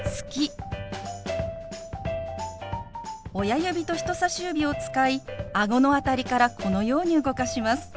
親指と人さし指を使いあごの辺りからこのように動かします。